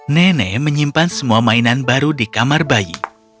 nenek menyimpan semua mainan baru di kamar bayi